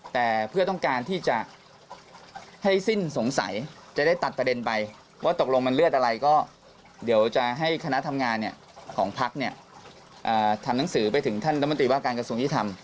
แต่เพื่อต้องการที่จะให้สิ้นสงสัยจะได้ตัดประเด็นไปว่าตกลงมันเลือดอะไรก็เดี๋ยวจะให้คณะทำงานของพักทำหนังสือไปถึงท่านรัฐมนตรีว่าการกระทรวงยุทธรรม